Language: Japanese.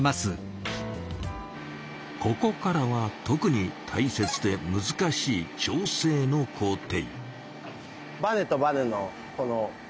ここからは特にたいせつでむずかしい「調整」の工程。